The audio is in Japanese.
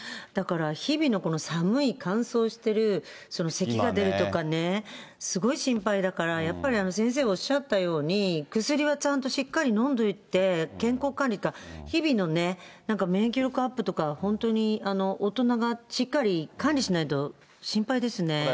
だから日々のこの寒い乾燥している、せきが出るとかね、すごい心配だから、やっぱり先生おっしゃったように、薬はちゃんとしっかり飲んどいて、健康管理か、日々の免疫力アップとか、本当に大人がしっかり管理しないと心配ですね。